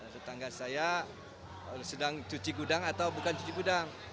tetangga saya sedang cuci gudang atau bukan cuci gudang